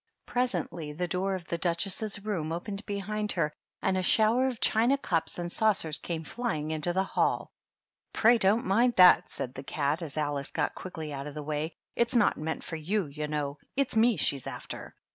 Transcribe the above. Pres ently the door of the Duchess's room opened behind her and a shower of china cups and saucers came flying into the hall. " Pray, don't mind that," said the cat, as Alice got quickly out of the way ;" it's not meant for youy you know : it's me she's after."